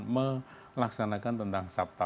melaksanakan tentang sabta